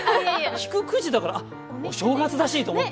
ひくくじだから、お正月らしいと思って。